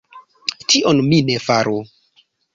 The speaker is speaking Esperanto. Tion mi ne faru.